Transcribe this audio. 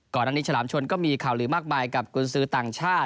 ก่อนอันนี้ฉลามชนก็มีข่าวลือมากมายกับกุญสือต่างชาติ